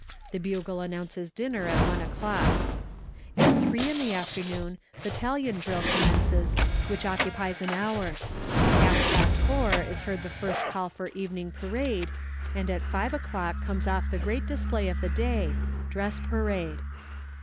The bugle announces dinner at one o'clock. At three in the afternoon battalion drill commences, which occupies an hour. At half past four is heard the first call for evening parade, and at five o'clock comes off the great display of the day dress parade.